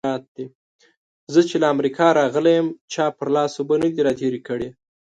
زه چې له امريکا راغلی يم؛ چا پر لاس اوبه نه دې راتېرې کړې.